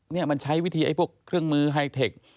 มันใช้วิธีเครื่องมือไฮเทค